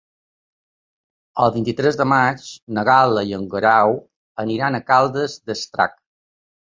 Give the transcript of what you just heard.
El vint-i-tres de maig na Gal·la i en Guerau aniran a Caldes d'Estrac.